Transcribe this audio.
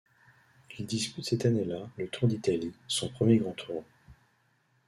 Il dispute cette année-là le Tour d'Italie, son premier grand tour.